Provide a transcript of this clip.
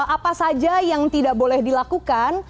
apa saja yang tidak boleh dilakukan